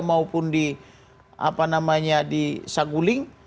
maupun di saguling